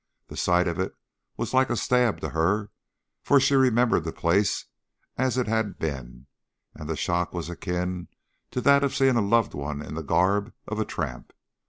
The sight of it was like a stab to her, for she remembered the place as it had been, and the shock was akin to that of seeing a loved one in the garb of a tramp.